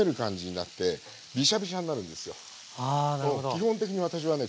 基本的に私はね